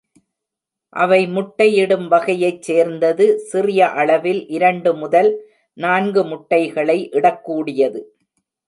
அவை முட்டை இடும் வகையை சேர்ந்தது, சிறிய அளவில் இரண்டு முதல் நான்கு முட்டைகளை இடக்கூடியது.